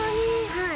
はい。